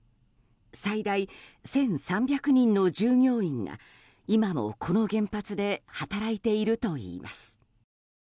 最大１３００人の従業員が今もこの原発で働いているといいます。